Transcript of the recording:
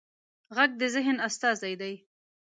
غږ د ذهن استازی دی